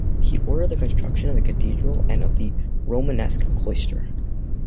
He ordered the construction of the cathedral and of the Romanesque cloister.